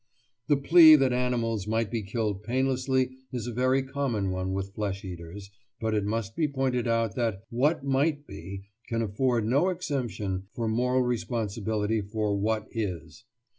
The plea that animals might be killed painlessly is a very common one with flesh eaters, but it must be pointed out that what might be can afford no exemption from moral responsibility for what is.